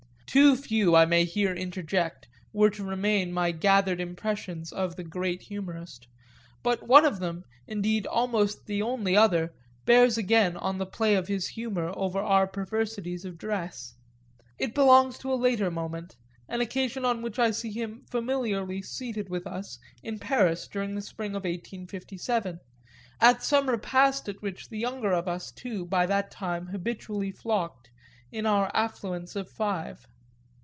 Too few, I may here interject, were to remain my gathered impressions of the great humourist, but one of them, indeed almost the only other, bears again on the play of his humour over our perversities of dress. It belongs to a later moment, an occasion on which I see him familiarly seated with us, in Paris, during the spring of 1857, at some repast at which the younger of us too, by that time, habitually flocked, in our affluence of five.